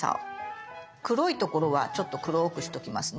黒いところはちょっと黒くしておきますね。